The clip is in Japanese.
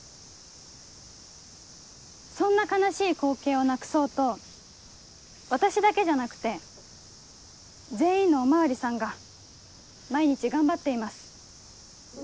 そんな悲しい光景をなくそうと私だけじゃなくて全員のお巡りさんが毎日頑張っています。